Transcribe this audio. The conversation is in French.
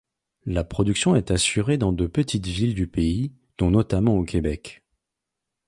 La production est assurée dans de petites villes du pays, dont notamment au Québec.